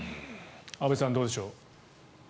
安部さんどうでしょう。